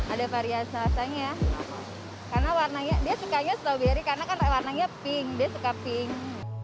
ada variasi rasanya karena warnanya dia sukanya stroberi karena kan warnanya pink dia suka pink